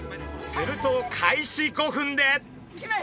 すると開始５分で。